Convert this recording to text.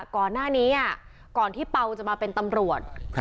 ก่อนหน้านี้ก่อนที่เปล่าจะมาเป็นตำรวจ